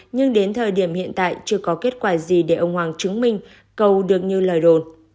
nhưng đến thời điểm hiện tại chưa có kết quả gì để ông hoàng chứng minh cầu được như lời đồn